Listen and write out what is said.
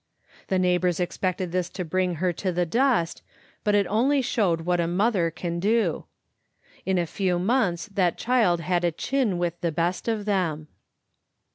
The neighbors expected this to bring her to the dust, but it only, showed what a mother can do. In a few months that child had a chin with the best of them.